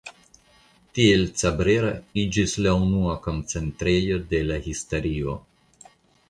Tiel Cabrera iĝis la unua koncentrejo de la historio.